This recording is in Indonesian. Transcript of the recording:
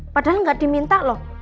padahal nggak diminta loh